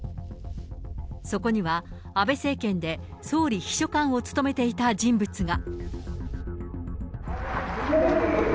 そこには、安倍政権で総理秘書官を務めていた人物が。